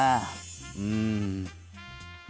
うん。